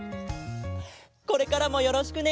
これからもよろしくね！